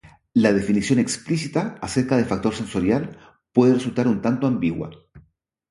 La definición explícita acerca de factor sensorial puede resultar un tanto ambigua.